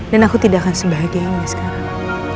dan aku tidak akan sebahagia yang ada sekarang